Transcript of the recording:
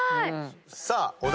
さあお題